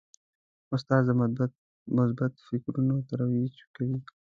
استاد د مثبت فکرونو ترویج کوي.